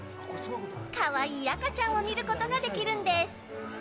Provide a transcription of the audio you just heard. かわいい赤ちゃんを見ることができるんです。